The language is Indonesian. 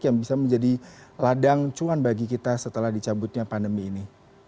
yang bisa menjadi ladang cuan bagi kita setelah dicabutnya pandemi ini